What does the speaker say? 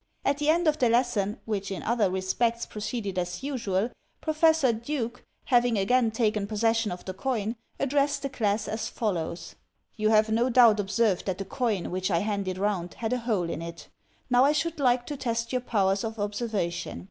At the end of the lesson, which in othei: respects proceeded as usual. Professor Dueck, having again taken possession of the coin, addressed the class as follows: "You have no doubt observed that the coin which I handed around had a hole in it; now I should like to test EVIDENCE 267 your powers of observation.